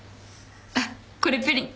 あっこれプリン。